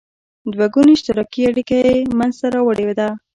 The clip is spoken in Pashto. دوه ګوني اشتراکي اړیکه یې مینځته راوړې ده.